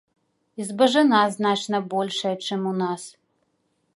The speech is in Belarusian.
І збажына значна большая, чым у нас.